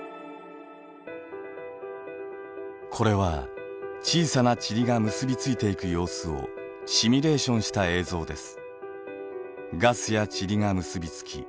これは小さな塵が結びついていく様子をシミュレーションした映像です。